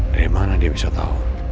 dari mana dia bisa tahu